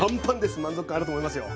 満足感あると思いますよ。